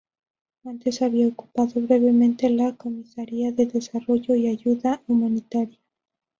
Antes había ocupado brevemente la Comisaría de Desarrollo y ayuda humanitaria.